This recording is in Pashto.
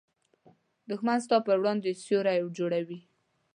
دښمن ستا پر وړاندې سیوری جوړوي